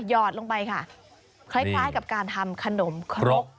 หอดลงไปค่ะคล้ายกับการทำขนมครก